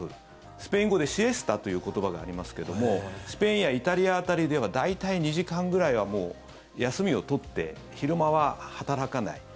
スペイン語でシエスタという言葉がありますがスペインやイタリア辺りでは大体２時間ぐらいは休みを取って、昼間は働かない。